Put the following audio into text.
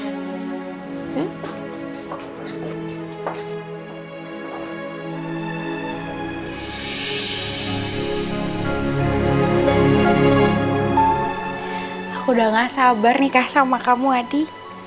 aku udah gak sabar nikah sama kamu adi